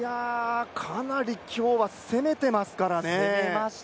かなり今日は攻めてますからね。